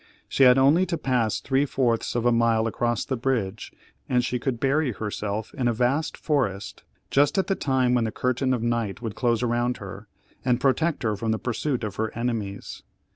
She had only to pass three fourths of a mile across the bridge, and she could bury herself in a vast forest, just at the time when the curtain of night would close around her, and protect her from the pursuit of her enemies.